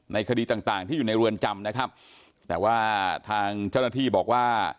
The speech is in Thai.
คดีต่างต่างที่อยู่ในเรือนจำนะครับแต่ว่าทางเจ้าหน้าที่บอกว่า